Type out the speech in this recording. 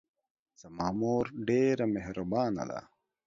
زما مور ډېره محربانه ده